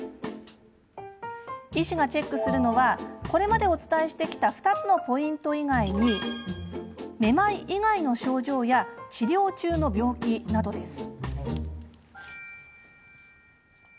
医師がチェックするのはこれまでお伝えしてきた２つのポイント以外にめまい以外の症状や治療中の病気です。